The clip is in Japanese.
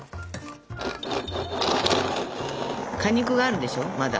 果肉があるでしょまだ。